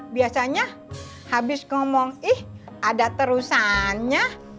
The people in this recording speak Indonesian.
biasanya habis ngomong ih ada terusannya